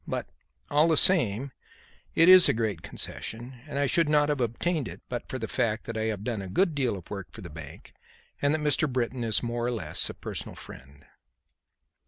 But, all the same, it is a great concession, and I should not have obtained it but for the fact that I have done a good deal of work for the bank and that Mr. Britton is more or less a personal friend."